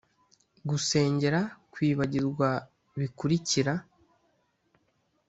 gusengera kwibagirwa bikurikira,